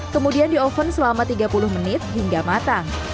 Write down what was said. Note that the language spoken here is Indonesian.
kemudian dioven selama tiga puluh menit hingga matang